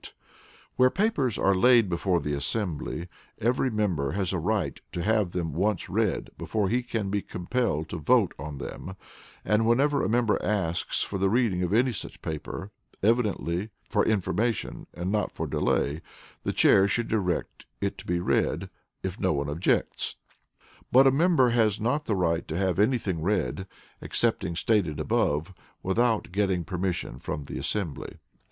] Where papers are laid before the assembly, every member has a right to have them once read before he can be compelled to vote on them, and whenever a member asks for the reading of any such paper, evidently for information, and not for delay, the Chair should direct it to be read, if no one objects. But a member has not the right to have anything read (excepting stated above) without getting permission from the assembly.